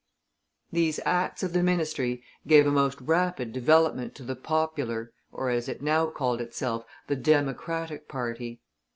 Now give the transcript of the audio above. These acts of the ministry gave a most rapid development to the popular, or as it now called itself, the Democratic party.